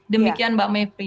demikian mbak mevry